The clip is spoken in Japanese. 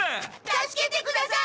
助けてください！